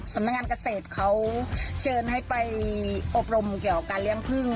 สำนักงานเกษตรเขาเชิญให้ไปอบรมเกี่ยวกับการเลี้ยงพึ่ง